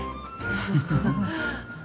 ハハハ